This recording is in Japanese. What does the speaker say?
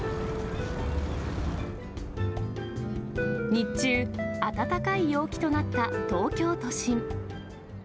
日中、暖かい陽気となった東京都心。